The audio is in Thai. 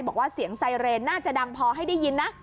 บอกว่าเสียงไซเรนน่าจะดังพอให้ได้ยินนะ